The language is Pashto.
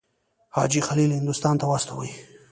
حاجي خلیل هندوستان ته واستوي.